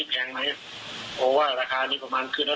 ้าแต่ไม่พูดมาแต่ไม่ได้บอกถึงด้วย